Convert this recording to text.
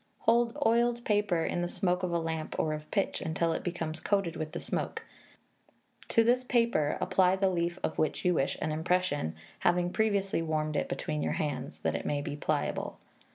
Hold oiled paper in the smoke of a lamp or of pitch, until it becomes coated with the smoke; to this paper apply the leaf of which you wish an impression, having previously warmed it between your hands, that it may he pliable.